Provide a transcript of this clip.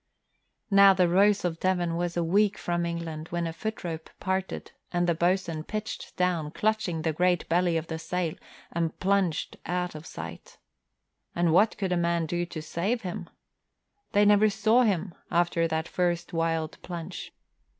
Now the Rose of Devon was a week from England when a footrope parted and the boatswain pitched down, clutching at the great belly of the sail, and plunged out of sight. And what could a man do to save him? They never saw him after that first wild plunge.